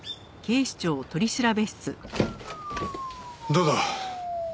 どうだ？